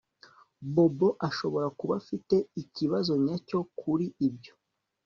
Bobo ashobora kuba afite ikibazo nyacyo kuri ibyo